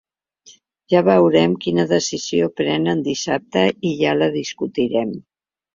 Ja veurem quina decisió prenen dissabte i ja la discutirem.